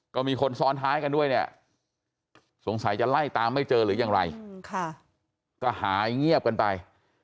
ก็มีคนซ้อนท้ายกันด้วยเนี่ยสงสัยจะไล่ตามไม่เจอหรือยังไรก็หายเงียบกันไป